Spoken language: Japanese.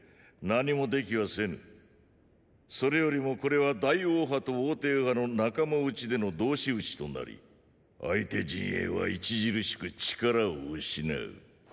それよりもこれは大王派と王弟派の仲間内での同士討ちとなり相手陣営は著しく力を失う。